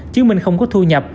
chứng minh không có thu nhập